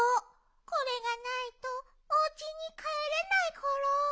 これがないとおうちにかえれないコロ。